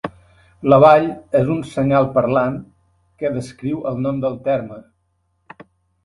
La vall és un senyal parlant que descriu el nom del terme.